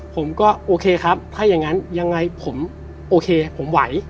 ผมก็โอเคครับถ้าอย่างนั้นยังไงผมโอเคผมไหว